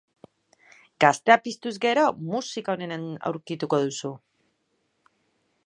Gaztea piztuz gero, musika onena aurkituko duzu!